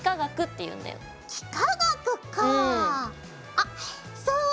あっそうだ。